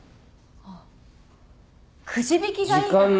あっくじ引きがいいかな？